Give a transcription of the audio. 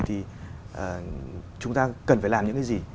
thì chúng ta cần phải làm những cái gì